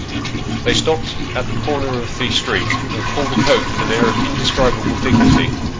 They stopped at the corner of the street, and called a coach with an air of indescribable dignity.